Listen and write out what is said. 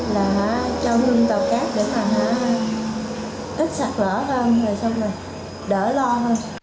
là cho hương tàu cát để phòng hãng ít sạt lở hơn rồi xong rồi đỡ lo hơn